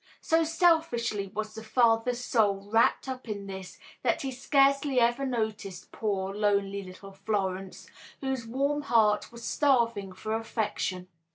So selfishly was the father's soul wrapped up in this that he scarcely ever noticed poor, lonely little Florence, whose warm heart was starving for affection.